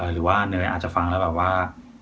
หรือว่าเนยอาจจะฟังแล้วแบบว่า